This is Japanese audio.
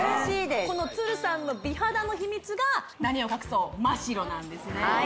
このさんの美肌の秘密が何を隠そうマ・シロなんですね